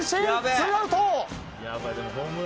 ツーアウト。